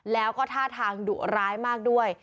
แล้วก็ท่าทางดุร้ายมากด้วย